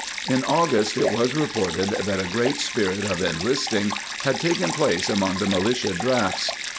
^ In August it was reported that " a great spirit of inlisting " had taken place among the militia drafts.